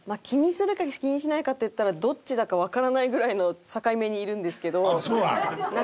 気にするか気にしないかっていったらどっちだかわからないぐらいの境目にいるんですけど。